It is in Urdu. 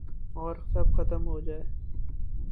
اور سب ختم ہوجائے